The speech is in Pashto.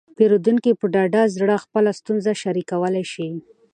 پیرودونکي په ډاډه زړه خپله ستونزه شریکولی شي.